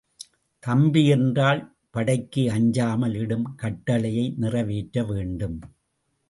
தம்பி என்றால் படைக்கு அஞ்சாமல் இடும் கட்டளையை நிறைவேற்ற வேண்டும்.